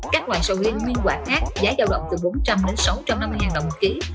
các loại sầu riêng nguyên quả khác giá giao động từ bốn trăm linh đến sáu trăm năm mươi đồng một ký